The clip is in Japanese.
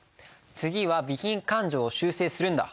次は備品勘定を修正するんだ。